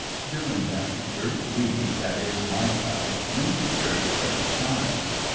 During that winter we, that is my crowd, went to church several times.